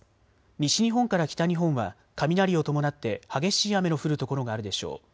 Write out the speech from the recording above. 西日本から北日本は雷を伴って激しい雨の降る所があるでしょう。